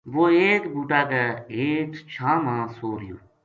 وہ ایک بوٹا کا ہیٹھ چھاں ما سو رہیو